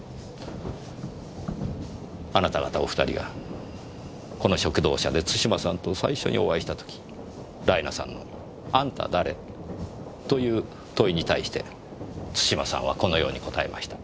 あなた方お２人がこの食堂車で津島さんと最初にお会いした時ライナさんの「あんた誰？」という問いに対して津島さんはこのように答えました。